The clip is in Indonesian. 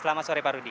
selamat sore pak rudi